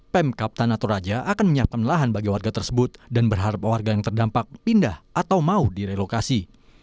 pemkap tana toraja akan menyiapkan lahan bagi warga tersebut dan berharap warga yang terdampak pindah atau mau direlokasi